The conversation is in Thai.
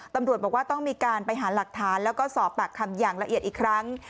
ตำรวจบอกว่าต้องมีการไปหาหลักฐานแล้วก็สอบปากคำอย่างละเอียดอีกครั้ง